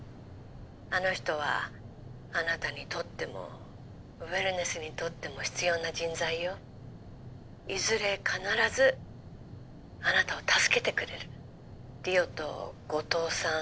☎あの人はあなたにとっても☎ウェルネスにとっても必要な人材よ☎いずれ必ずあなたを助けてくれる☎梨央と後藤さん